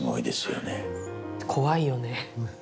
怖いよね